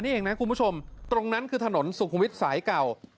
นี่เองนะคุณผู้ชมตรงนั้นคือถนนสุขุมวิทย์สายเก่า